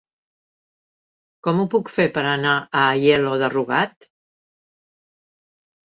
Com ho puc fer per anar a Aielo de Rugat?